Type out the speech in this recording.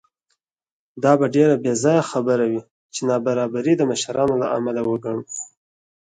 دا به ډېره بېځایه خبره وي چې نابرابري د مشرانو له امله وګڼو.